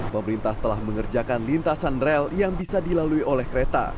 pemerintah telah mengerjakan lintasan rel yang bisa dilalui oleh kereta